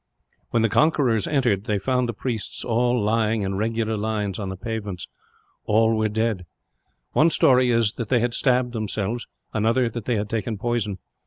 "When the conquerors entered, they found the priests all lying, in regular lines, on the pavements. All were dead. One story is that they had stabbed themselves; another, that they had taken poison.